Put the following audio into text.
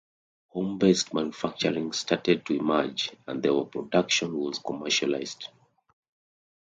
Home-based manufacturing started to emerge and the overproduction was commercialized.